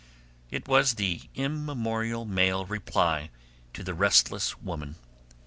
It was the immemorial male reply to the restless woman.